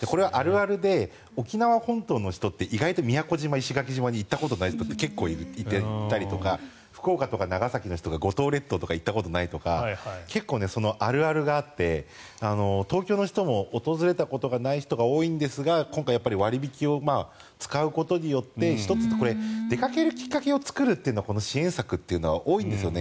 あるで沖縄本島の人って意外と宮古島、石垣島に行ったことない人結構いたりとか福岡とか長崎の人が五島列島に行ったことないとか結構あるあるがあって東京の人も訪れたことがない人が多いんですが今回、割引を使うことによって１つ、出かけるきっかけを作るというのは支援策というのは多いんです。